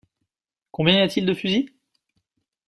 Combien y a-t-il de fusils?